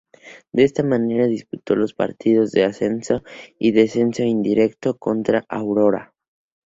De esta manera disputó los partidos de ascenso y descenso indirecto contra Aurora.